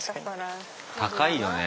高いよね